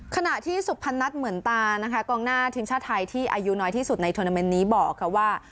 ขณะที่สุพรรณัฐเหมือนตานะคะกองหน้าทีมชาติไทยที่อายุน้อยที่สุดในทวนาเมนต์นี้บอกค่ะว่า